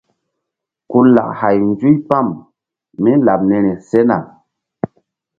Ku lak hay nzuypam mí laɓ niri sena.